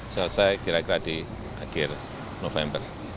selesai kira kira di akhir november